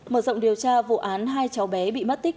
mở rộng điều tra vụ án hai cháu bé bị mất tích